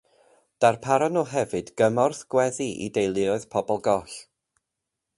Darparon nhw hefyd gymorth gweddi i deuluoedd pobl goll.